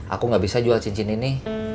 aku gak bisa jual cincin ini